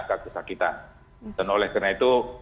kekesakitan dan oleh karena itu